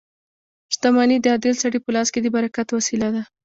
• شتمني د عادل سړي په لاس کې د برکت وسیله ده.